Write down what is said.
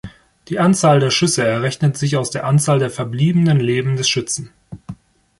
Die Anzahl der Schüsse errechnet sich aus der Anzahl der verbliebenen Leben des Schützen.